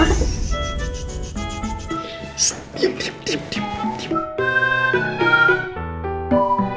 ssst diam diam diam